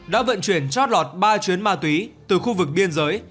đã vận chuyển chót lọt ba chuyến ma túy từ khu vực biên giới